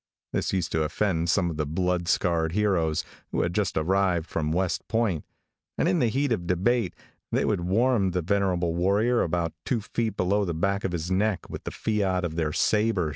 This used to offend some of the blood scarred heroes who had just arrived from West Point, and in the heat of debate they would warm the venerable warrior about two feet below the back of his neck with the fiat of their sabers.